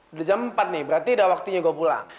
udah jam empat nih berarti udah waktunya gue pulang